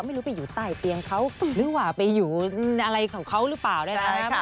ไม่รู้ไปอยู่ใต้เตียงเขาหรือว่าไปอยู่อะไรของเขาหรือเปล่านะครับ